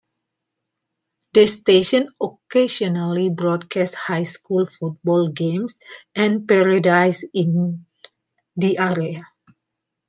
The station occasionally broadcasts high school football games and parades in the area.